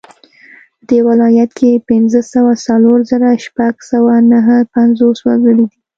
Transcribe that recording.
په دې ولایت کې پنځه سوه څلور زره شپږ سوه نهه پنځوس وګړي دي